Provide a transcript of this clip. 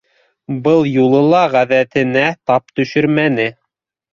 Был юлы ла ғәҙәтенә тап төшөрмәне.